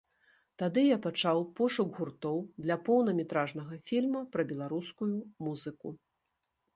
Тады я пачаў пошук гуртоў для поўнаметражнага фільма пра беларускую музыку.